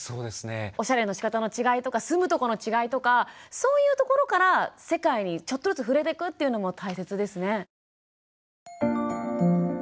おしゃれのしかたの違いとか住むとこの違いとかそういうところから世界にちょっとずつ触れてくっていうのも大切ですね。